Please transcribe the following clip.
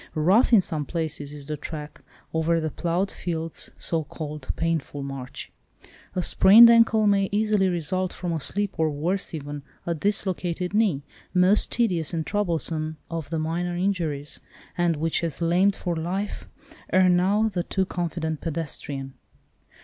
Rough in some places is the track—over the ploughed field's (so called) painful march. A sprained ankle may easily result, from a slip, or worse even, a dislocated knee, most tedious and troublesome of the minor injuries, and which has lamed for life ere now the too confident pedestrian.